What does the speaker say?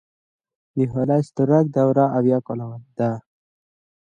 د هالی ستورک دوره اويا کاله ده.